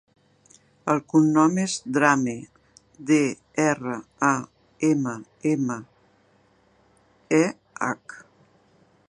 El cognom és Drammeh: de, erra, a, ema, ema, e, hac.